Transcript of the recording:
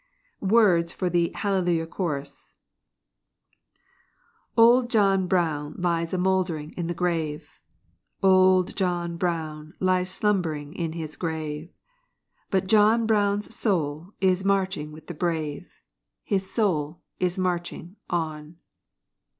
WORDS FOR THE 'HALLELUJAH CHORUS' Old John Brown lies a moldering in the grave, Old John Brown lies slumbering in his grave But John Brown's soul is marching with the brave, His soul is marching on.